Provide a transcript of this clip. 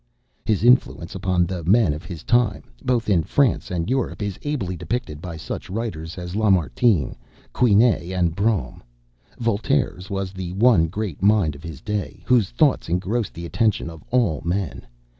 His influence upon the men of his time, both in France and Europe, is ably depicted by such writers as Lamartine, Quinet, and Brougham. Voltaire's was the one great mind of his day, whose thoughts engrossed the attention of all men.